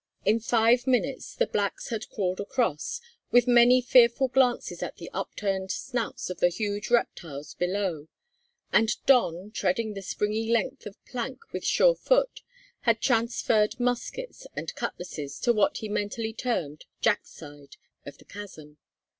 In five minutes the blacks had crawled across, with many fearful glances at the upturned snouts of the huge reptiles below; and Don, treading the springy length of plank with sure foot, had transferred muskets and cutlasses to what he mentally termed "Jack's side" of the chasm.